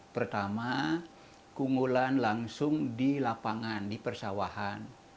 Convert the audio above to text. pertama keunggulan langsung di lapangan di persawahan